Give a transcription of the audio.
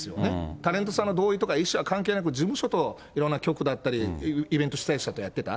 タレントさんの同意とか意思は関係なく、事務所といろんな局だったり、イベント主催者とやってた。